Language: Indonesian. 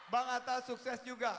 bang atta sukses juga